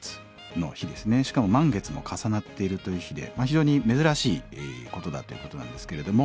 しかも満月も重なっているという日で非常に珍しいことだということなんですけれども。